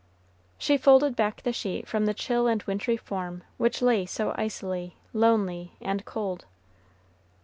She folded back the sheet from the chill and wintry form which lay so icily, lonely, and cold.